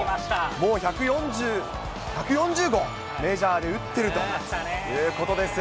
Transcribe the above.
もう１４０号、メジャーで打ってるということです。